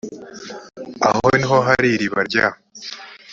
aho ni ho hari iriba rya